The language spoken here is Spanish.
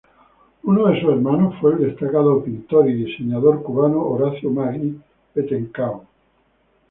Uno de sus hermanos fue el destacado pintor y diseñador cubano Horacio Maggi Bethencourt.